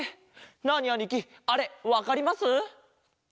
ナーニあにきあれわかります？